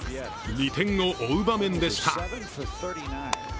２点を追う場面でした。